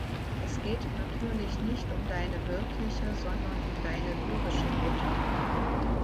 Es geht natürlich nicht um deine wirkliche, sondern um deine lyrische Mutter.